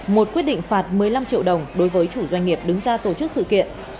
một quyết định phạt một mươi năm triệu đồng đối với chủ doanh nghiệp đứng ra tổ chức sự kiện